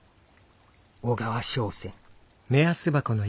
小川笙船」。